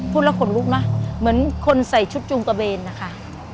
พูดแล้วขนลุกนะเหมือนคนใส่ชุดจูงตะเวนนะคะ